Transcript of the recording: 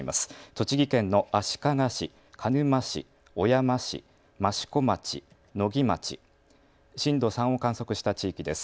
栃木県の足利市、鹿沼市、小山市、益子町、野木町、震度３を観測した地域です。